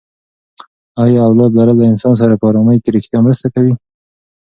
ایا اولاد لرل له انسان سره په ارامي کې ریښتیا مرسته کوي؟